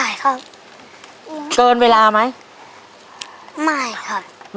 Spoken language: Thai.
เย็นมากลุ่ม